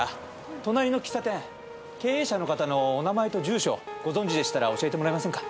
隣の喫茶店経営者の方のお名前と住所ご存じでしたら教えてもらえませんか？